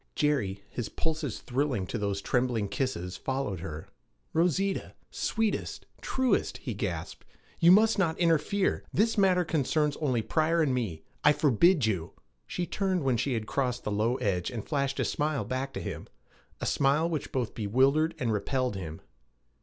Jerry, his pulses thrilling to those trembling kisses, followed her. 'Rosita! Sweetest truest' he gasped, 'you must not interfere! This matter concerns only Pryor and me. I forbid you!' She turned when she had crossed the low ledge, and flashed a smile back to him a smile which both bewildered and repelled him.